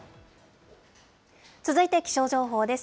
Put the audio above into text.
続いて気象情報です。